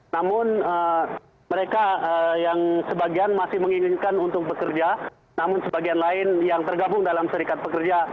namun mereka yang sebagian masih menginginkan untuk bekerja namun sebagian lain yang tergabung dalam serikat pekerja